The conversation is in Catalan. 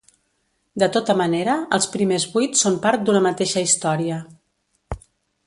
De tota manera, els primers vuit són part d'una mateixa història.